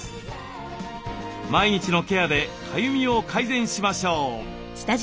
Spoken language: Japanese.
毎日のケアでかゆみを改善しましょう。